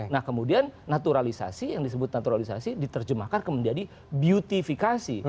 nah kemudian naturalisasi yang disebut naturalisasi diterjemahkan ke menjadi beautifikasi